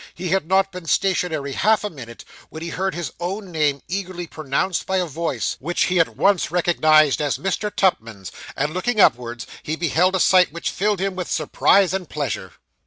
He had not been stationary half a minute, when he heard his own name eagerly pronounced by a voice, which he at once recognised as Mr. Tupman's, and, looking upwards, he beheld a sight which filled him with surprise and pleasure.